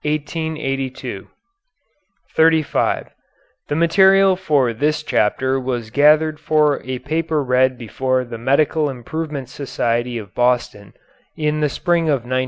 ] [Footnote 35: The material for this chapter was gathered for a paper read before the Medical Improvement Society of Boston in the spring of 1911.